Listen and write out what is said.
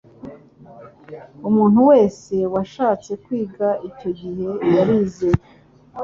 umuntu wese washatse kwiga icyo gihe yarize